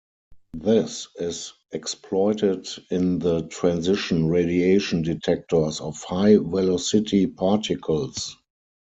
This is exploited in the transition radiation detectors of high-velocity particles.